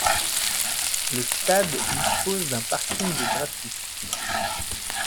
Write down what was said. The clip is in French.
Le stade dispose d'un parking gratuit.